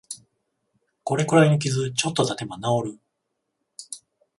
これくらいの傷、ちょっとたてば治る